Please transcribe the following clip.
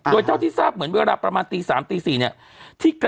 โดยเท่าที่ทราบเหมือนเวลาประมาณตี๓ตี๔เนี่ย